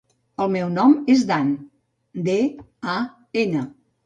El meu nom és Dan: de, a, ena.